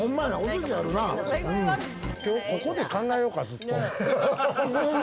今日ここで考えようか、ずっと。